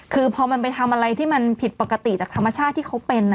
คือพอมันไปทำอะไรที่มันผิดปกติจากธรรมชาติที่เขาเป็น